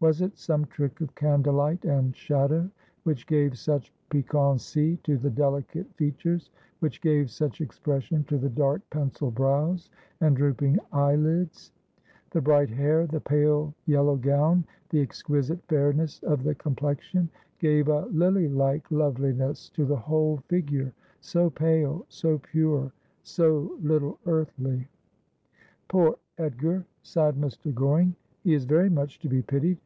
Was it some trick of candlelight and shadow which gave such piquancy to the delicate features, which gave such expression to the dark pencilled brows and drooping eyelids ? The bright hair, the pale yellow gown, the exquisite fairness of the complexion, gave a lily like loveliness to the whole figure. So pale ; so pure ; so little earthly, ' Poor Edgar !' sighed Mr. Goring. ' He is very much to be pitied.